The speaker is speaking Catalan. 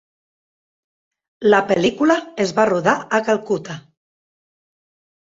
La pel·lícula es va rodar a Calcutta.